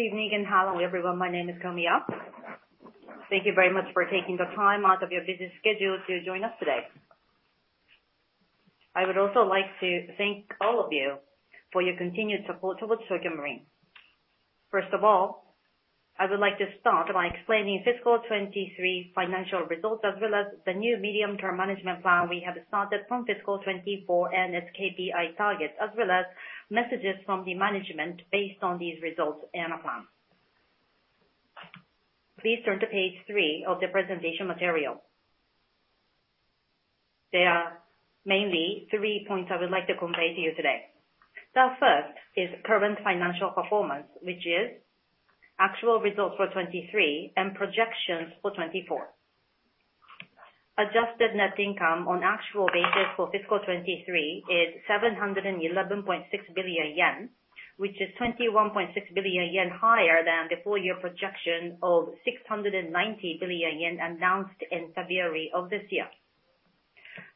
Good evening, and hello, everyone. My name is Komiya. Thank you very much for taking the time out of your busy schedule to join us today. I would also like to thank all of you for your continued support towards Tokio Marine. First of all, I would like to start by explaining fiscal 2023 financial results, as well as the new medium-term management plan we have started from fiscal 2024, and its KPI targets, as well as messages from the management based on these results and our plans. Please turn to page three of the presentation material. There are mainly three points I would like to convey to you today. The first is current financial performance, which is actual results for 2023 and projections for 2024. Adjusted net income on actual basis for fiscal 2023 is 711.6 billion yen, which is 21.6 billion yen higher than the full year projection of 690 billion yen announced in February of this year.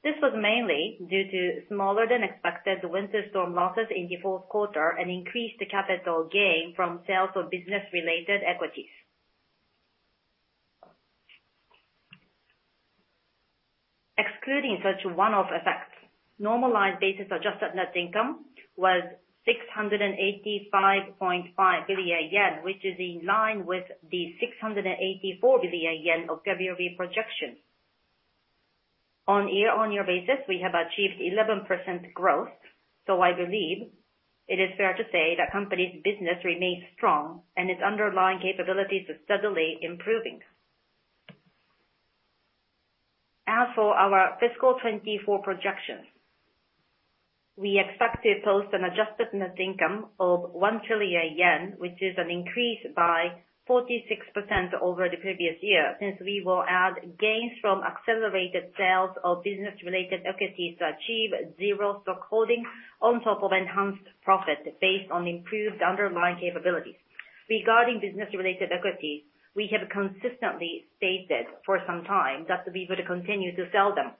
This was mainly due to smaller than expected winter storm losses in the fourth quarter and increased capital gain from sales of business-related equities. Excluding such one-off effects, normalized basis adjusted net income was 685.5 billion yen, which is in line with the 684 billion yen of February projections. On year-on-year basis, we have achieved 11% growth, so I believe it is fair to say the company's business remains strong and its underlying capabilities are steadily improving. As for our fiscal 2024 projections, we expect to post an adjusted net income of 1 trillion yen, which is an increase by 46% over the previous year, since we will add gains from accelerated sales of business-related equities to achieve zero stock holding on top of enhanced profit based on improved underlying capabilities. Regarding business-related equities, we have consistently stated for some time that we would continue to sell them.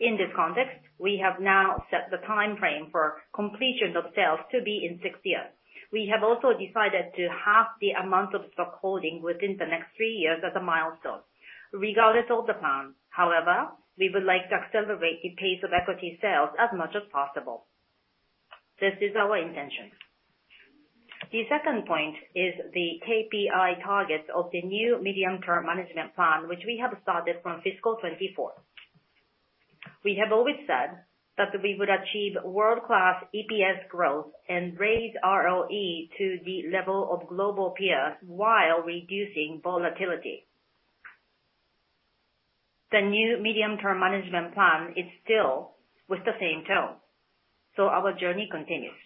In this context, we have now set the timeframe for completion of sales to be in 6 years. We have also decided to halve the amount of stock holding within the next 3 years as a milestone. Regardless of the plan, however, we would like to accelerate the pace of equity sales as much as possible. This is our intention. The second point is the KPI targets of the new Medium-Term Management Plan, which we have started from fiscal 2024. We have always said that we would achieve world-class EPS growth and raise ROE to the level of global peers while reducing volatility. The new Medium-Term Management Plan is still with the same tone, so our journey continues.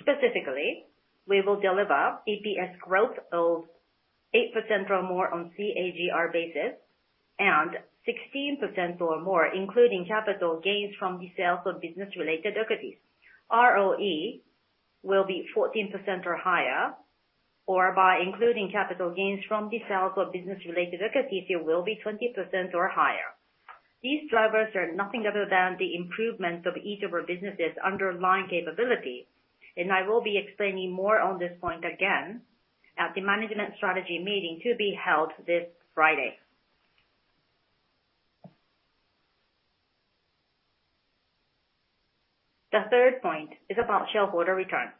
Specifically, we will deliver EPS growth of 8% or more on CAGR basis, and 16% or more, including capital gains from the sales of business-related equities. ROE will be 14% or higher, or by including capital gains from the sales of business-related equities, it will be 20% or higher. These drivers are nothing other than the improvements of each of our businesses' underlying capability, and I will be explaining more on this point again at the management strategy meeting to be held this Friday. The third point is about shareholder return.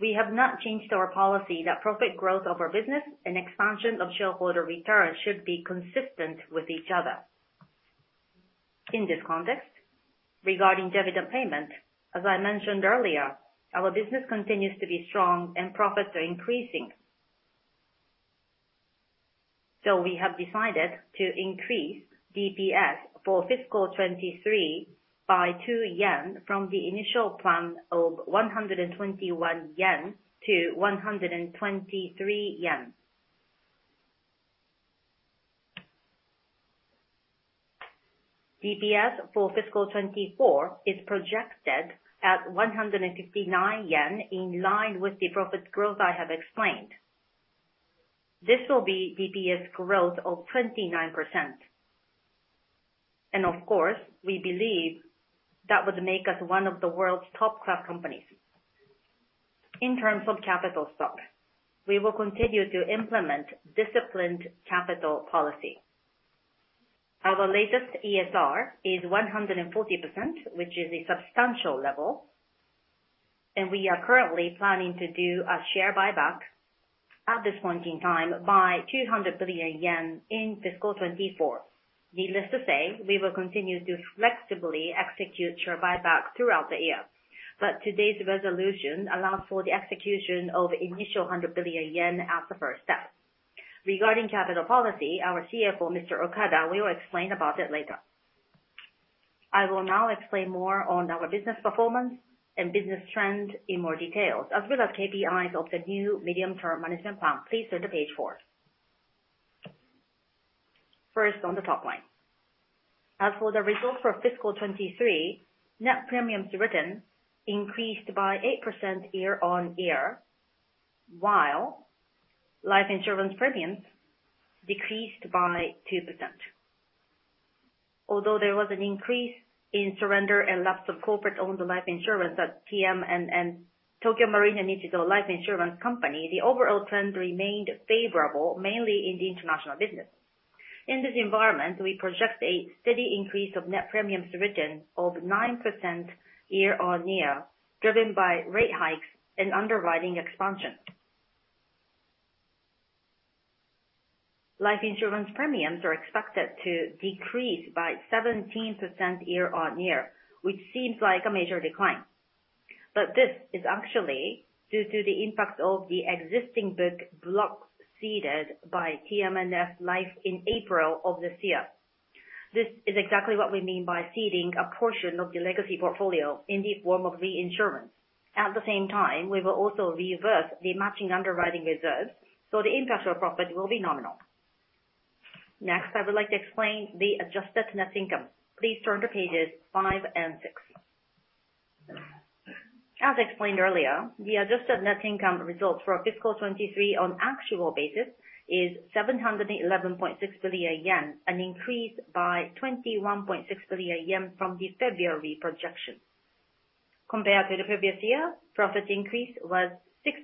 We have not changed our policy that profit growth of our business and expansion of shareholder return should be consistent with each other. In this context, regarding dividend payment, as I mentioned earlier, our business continues to be strong and profits are increasing. We have decided to increase DPS for fiscal 2023 by 2 yen from the initial plan of 121 yen to 123 yen. DPS for fiscal 2024 is projected at 159 yen, in line with the profit growth I have explained. This will be DPS growth of 29%, and of course, we believe that would make us one of the world's top class companies. In terms of capital stock, we will continue to implement disciplined capital policy. Our latest ESR is 140%, which is a substantial level, and we are currently planning to do a share buyback at this point in time by 200 billion yen in fiscal 2024. Needless to say, we will continue to flexibly execute share buyback throughout the year, but today's resolution allows for the execution of initial 100 billion yen as the first step. Regarding capital policy, our CFO, Mr. Okada, will explain about it later. I will now explain more on our business performance and business trends in more details, as well as KPIs of the new medium-term management plan. Please turn to page 4. First, on the top line. As for the results for fiscal 2023, net premiums written increased by 8% year-on-year, while life insurance premiums decreased by 2%.... Although there was an increase in surrender and lapse of corporate-owned life insurance at TMNF and Tokyo Marine Nichido Life Insurance Company, the overall trend remained favorable, mainly in the international business. In this environment, we project a steady increase of net premiums written of 9% year-on-year, driven by rate hikes and underwriting expansion. Life insurance premiums are expected to decrease by 17% year-on-year, which seems like a major decline, but this is actually due to the impact of the existing big block ceded by TMNF Life in April of this year. This is exactly what we mean by ceding a portion of the legacy portfolio in the form of reinsurance. At the same time, we will also reverse the matching underwriting reserves, so the impact on profit will be nominal. Next, I would like to explain the adjusted net income. Please turn to pages 5 and 6. As explained earlier, the adjusted net income results for fiscal 2023 on actual basis is 711.6 billion yen, an increase by 21.6 billion yen from the February projection. Compared to the previous year, profit increase was 60%.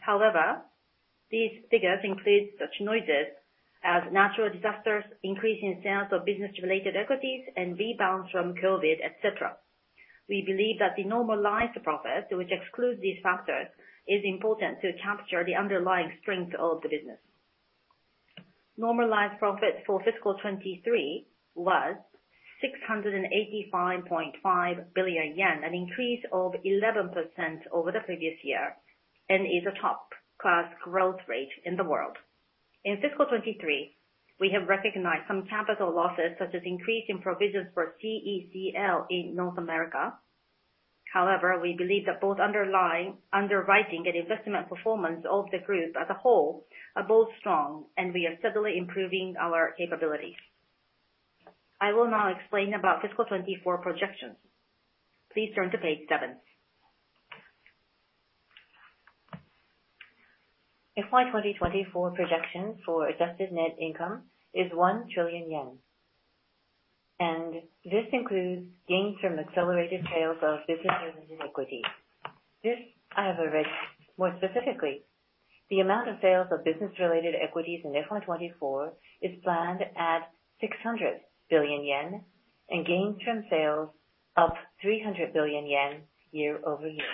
However, these figures include such noises as natural disasters, increase in sales of business-related equities, and rebounds from COVID, et cetera. We believe that the normalized profit, which excludes these factors, is important to capture the underlying strength of the business. Normalized profit for fiscal 2023 was 685.5 billion yen, an increase of 11% over the previous year, and is a top-class growth rate in the world. In fiscal 2023, we have recognized some capital losses, such as increase in provisions for CECL in North America. However, we believe that both underlying underwriting and investment performance of the group as a whole are both strong, and we are steadily improving our capabilities. I will now explain about fiscal 2024 projections. Please turn to page 7. FY 2024 projection for adjusted net income is 1 trillion yen, and this includes gains from accelerated sales of business-related equities. More specifically, the amount of sales of business-related equities in FY 2024 is planned at 600 billion yen and gains from sales up 300 billion yen year-over-year.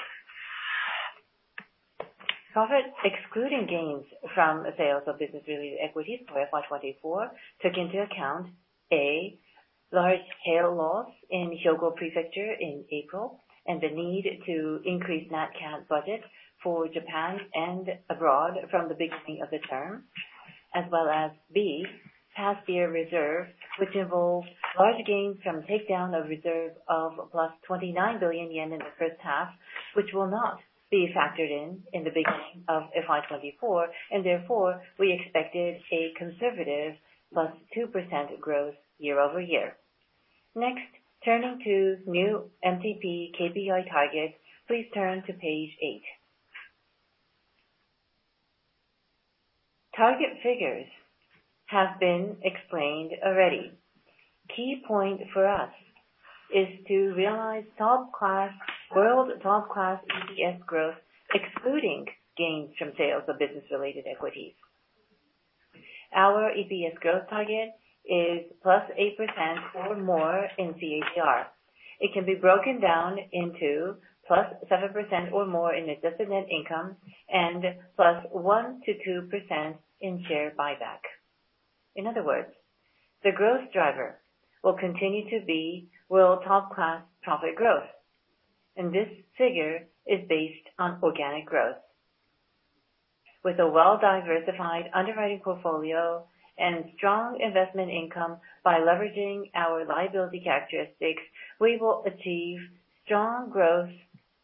Profits, excluding gains from sales of business-related equities for FY 2024, took into account, A, large hail loss in Hyogo Prefecture in April, and the need to increase nat cat budget for Japan and abroad from the beginning of the term. As well as, B, past-year reserve, which involves large gains from takedown of reserve of +29 billion yen in the first half, which will not be factored in, in the beginning of FY 2024, and therefore we expected a conservative +2% growth year-over-year. Next, turning to new MTP KPI targets, please turn to page 8. Target figures have been explained already. Key point for us is to realize top class, world top-class EPS growth, excluding gains from sales of business-related equities. Our EPS growth target is +8% or more in CAGR. It can be broken down into +7% or more in adjusted net income and +1% to +2% in share buyback. In other words, the growth driver will continue to be world top-class profit growth, and this figure is based on organic growth. With a well-diversified underwriting portfolio and strong investment income by leveraging our liability characteristics, we will achieve strong growth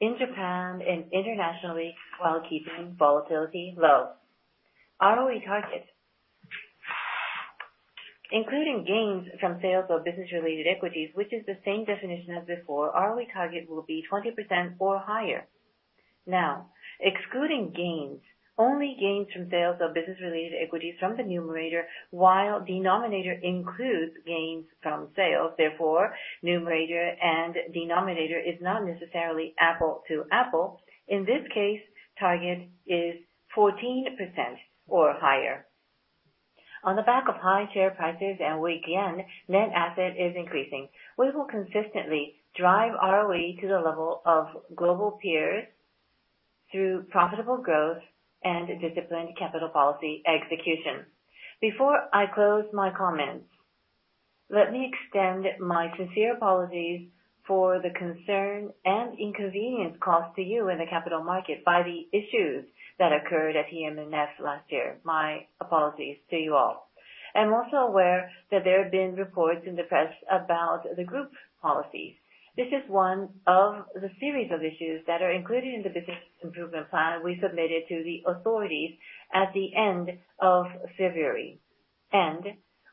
in Japan and internationally, while keeping volatility low. ROE target. Including gains from sales of business-related equities, which is the same definition as before, ROE target will be 20% or higher. Now, excluding gains, only gains from sales of business-related equities from the numerator, while denominator includes gains from sales, therefore, numerator and denominator is not necessarily apple to apple. In this case, target is 14% or higher. On the back of high share prices and weak yen, net asset is increasing. We will consistently drive ROE to the level of global peers through profitable growth and disciplined capital policy execution. Before I close my comments, let me extend my sincere apologies for the concern and inconvenience caused to you in the capital market by the issues that occurred at TM&F last year. My apologies to you all. I'm also aware that there have been reports in the press about the group's policies. This is one of the series of issues that are included in the business improvement plan we submitted to the authorities at the end of February, and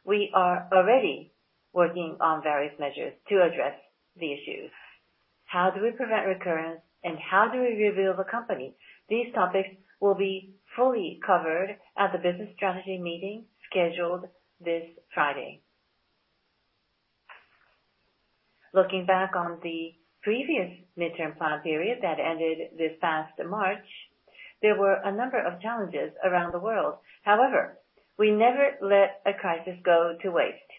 we are already working on various measures to address the issues.... How do we prevent recurrence, and how do we rebuild the company? These topics will be fully covered at the business strategy meeting scheduled this Friday. Looking back on the previous midterm plan period that ended this past March, there were a number of challenges around the world. However, we never let a crisis go to waste.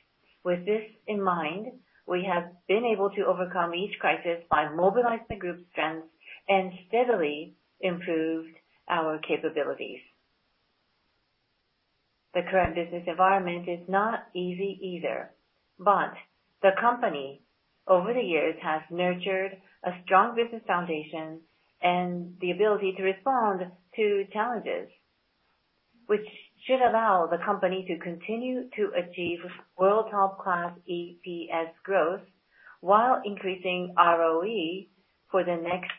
With this in mind, we have been able to overcome each crisis by mobilizing the group's strengths and steadily improved our capabilities. The current business environment is not easy either, but the company, over the years, has nurtured a strong business foundation and the ability to respond to challenges, which should allow the company to continue to achieve world top-class EPS growth while increasing ROE for the next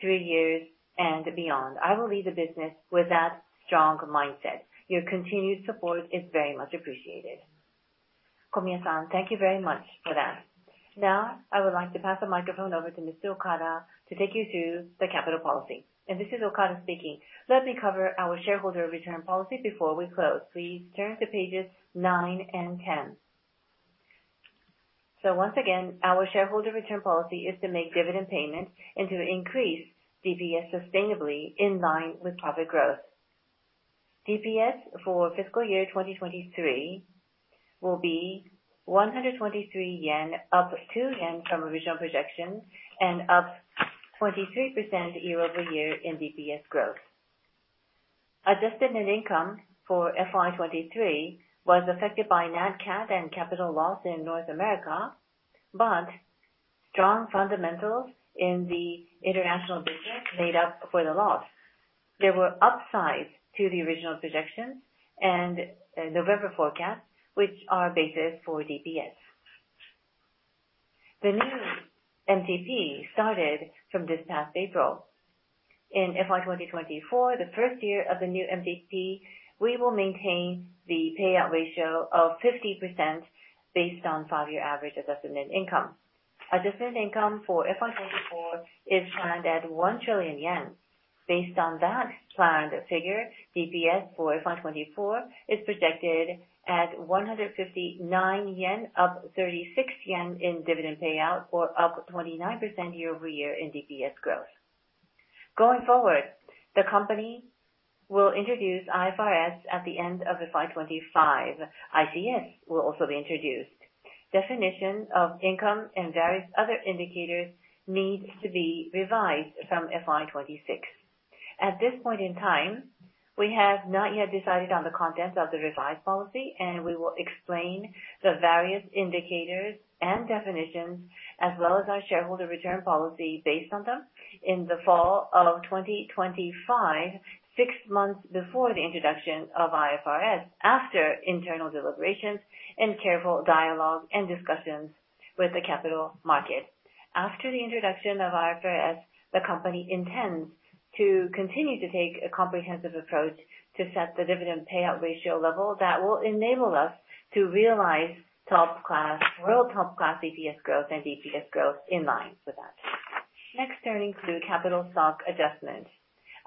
three years and beyond. I will lead the business with that strong mindset. Your continued support is very much appreciated. Komiya-san, thank you very much for that. Now, I would like to pass the microphone over to Mr. Okada to take you through the capital policy. This is Okada speaking. Let me cover our shareholder return policy before we close. Please turn to pages 9 and 10. Once again, our shareholder return policy is to make dividend payments and to increase DPS sustainably in line with profit growth. DPS for fiscal year 2023 will be 123 yen, up 2 yen from original projections and up 23% year-over-year in DPS growth. Adjusted net income for FY 2023 was affected by nat cat and capital loss in North America, but strong fundamentals in the international business made up for the loss. There were upsides to the original projections and the November forecast, which are basis for DPS. The new MTP started from this past April. In FY 2024, the first year of the new MTP, we will maintain the payout ratio of 50% based on 5-year average adjusted net income. Adjusted net income for FY 2024 is planned at 1 trillion yen. Based on that planned figure, DPS for FY 2024 is projected at 159 yen, up 36 yen in dividend payout, or up 29% year-over-year in DPS growth. Going forward, the company will introduce IFRS at the end of FY 2025. ICS will also be introduced. Definition of income and various other indicators needs to be revised from FY 2026. At this point in time, we have not yet decided on the contents of the revised policy, and we will explain the various indicators and definitions, as well as our shareholder return policy based on them in the fall of 2025, six months before the introduction of IFRS, after internal deliberations and careful dialogue and discussions with the capital market. After the introduction of IFRS, the company intends to continue to take a comprehensive approach to set the dividend payout ratio level that will enable us to realize top class, world top-class EPS growth and DPS growth in line with that. Next, turning to capital stock adjustments.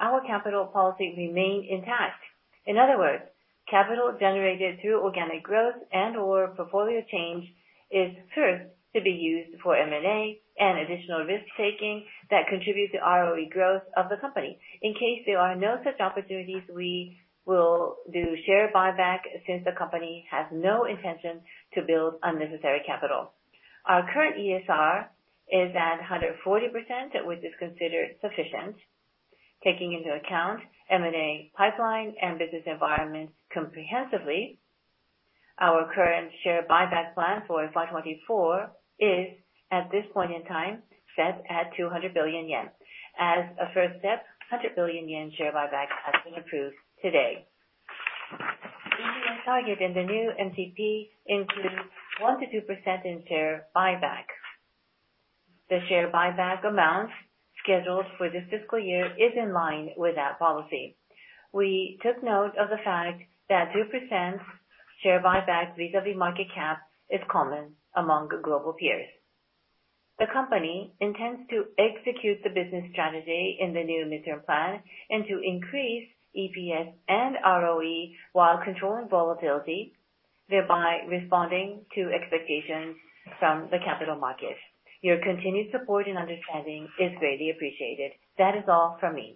Our capital policy remains intact. In other words, capital generated through organic growth and/or portfolio change is first to be used for M&A and additional risk-taking that contributes to ROE growth of the company. In case there are no such opportunities, we will do share buyback, since the company has no intention to build unnecessary capital. Our current ESR is at 140%, which is considered sufficient, taking into account M&A pipeline and business environment comprehensively. Our current share buyback plan for FY 2024 is, at this point in time, set at 200 billion yen. As a first step, 100 billion yen share buyback has been approved today. EPS target in the new MTP includes 1%-2% in share buyback. The share buyback amount scheduled for this fiscal year is in line with that policy. We took note of the fact that 2% share buyback vis-à-vis market cap is common among global peers. The company intends to execute the business strategy in the new medium-term plan and to increase EPS and ROE while controlling volatility, thereby responding to expectations from the capital markets. Your continued support and understanding is greatly appreciated. That is all from me.